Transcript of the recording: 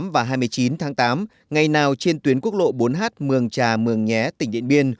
và hai mươi chín tháng tám ngày nào trên tuyến quốc lộ bốn h mường trà mường nhé tỉnh điện biên